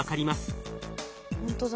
ほんとだ。